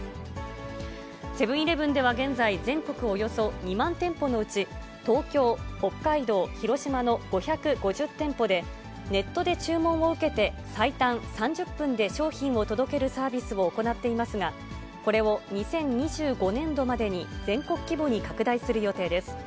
セブンーイレブンでは現在、全国およそ２万店舗のうち、東京、北海道、広島の５５０店舗で、ネットで注文を受けて、最短３０分で商品を届けるサービスを行っていますが、これを２０２５年度までに全国規模に拡大する予定です。